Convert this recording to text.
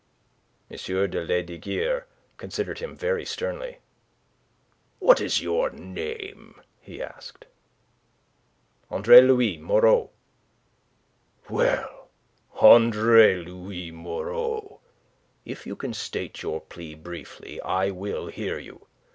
M. de Lesdiguieres considered him very sternly. "What is your name?" he asked. "Andre Louis Moreau." "Well, Andre Louis Moreau, if you can state your plea briefly, I will hear you.